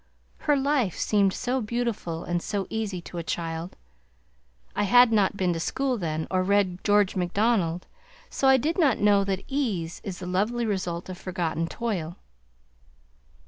Her life seemed so beautiful and so easy to a child. I had not been to school then, or read George Macdonald, so I did not know that "Ease is the lovely result of forgotten toil."